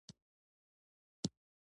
امتحانونه، ،حاضری، پروژی